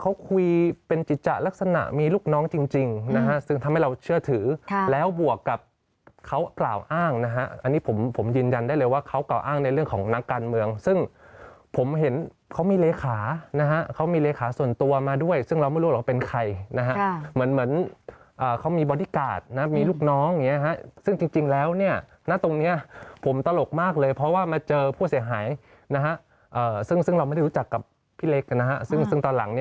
อันนี้ผมยืนยันได้เลยว่าเขากล่าวอ้างในเรื่องของนักการเมืองซึ่งผมเห็นเขามีเลขานะฮะเขามีเลขาส่วนตัวมาด้วยซึ่งเราไม่รู้หรอกเป็นใครนะฮะเหมือนเขามีบอดี้การ์ดนะมีลูกน้องอย่างนี้นะฮะซึ่งจริงแล้วเนี่ยนะตรงเนี่ยผมตลกมากเลยเพราะว่ามาเจอผู้เสียหายนะฮะซึ่งเราไม่ได้รู้จักกับพี่เล็กนะฮะซึ่งตอนหลัง